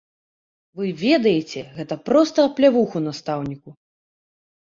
Вы ведаеце, гэта проста аплявуху настаўніку.